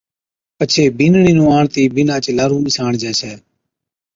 پڇي بِينڏڙِي نُون آڻتِي بِينڏا چي لارُون ٻِساڻجي ڇَي